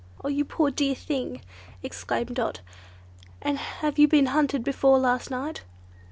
"Oh! you poor dear thing!" exclaimed Dot, "and have you been hunted before last night?"